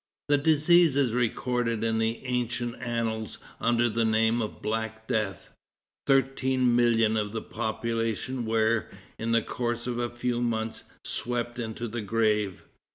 The disease is recorded in the ancient annals under the name of Black Death. Thirteen millions of the population were, in the course of a few months, swept into the grave.